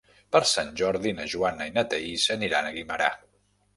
Per Sant Jordi na Joana i na Thaís aniran a Guimerà.